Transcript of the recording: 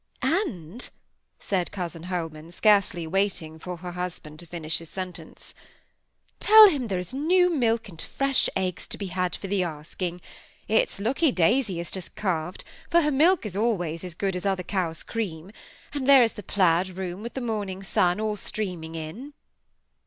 "And," said cousin Holman, scarcely waiting for her husband to finish his sentence, "tell him there is new milk and fresh eggs to be had for the asking; it's lucky Daisy has just calved, for her milk is always as good as other cows' cream; and there is the plaid room with the morning sun all streaming in."